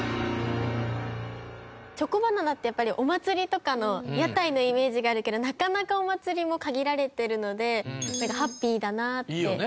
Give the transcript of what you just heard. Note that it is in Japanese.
チョコバナナってやっぱりお祭りとかの屋台のイメージがあるけどなかなかお祭りも限られてるのでハッピーだなって思いました。